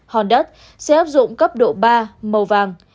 hòn đất sẽ áp dụng cấp độ ba màu vàng